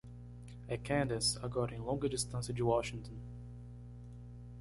É Candice agora em longa distância de Washington!